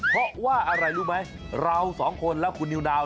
เพราะว่าอะไรรู้ไหมเราสองคนและคุณนิวนาว